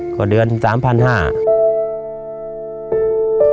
ก็เดือน๓๕๐๐บาท